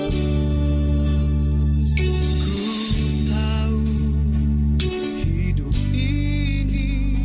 ku tahu hidup ini